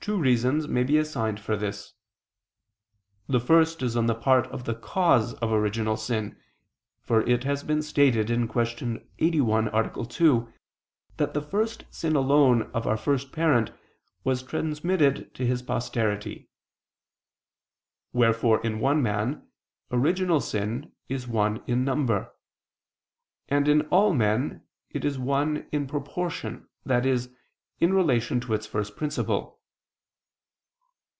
Two reasons may be assigned for this. The first is on the part of the cause of original sin. For it has been stated (Q. 81, A. 2), that the first sin alone of our first parent was transmitted to his posterity. Wherefore in one man original sin is one in number; and in all men, it is one in proportion, i.e. in relation to its first principle.